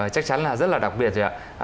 chắc chắn là rất là đặc biệt rồi ạ